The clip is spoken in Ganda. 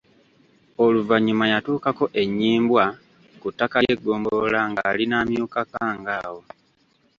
Oluvannyuma yatuukako e Nnyimbwa ku ttaka ly'eggombolola ng'ali n'amyuka Kkangawo.